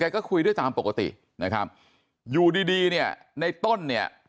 ก็คุยด้วยตามปกตินะครับอยู่ดีดีเนี่ยในต้นเนี่ย